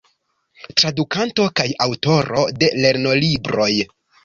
Tradukanto kaj aŭtoro de lernolibroj.